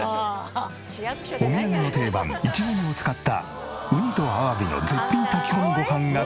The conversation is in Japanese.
お土産の定番いちご煮を使ったウニとアワビの絶品炊き込みご飯が完成。